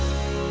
tapi tengok ini